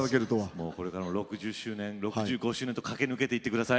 もうこれからも６０周年６５周年と駆け抜けていってください。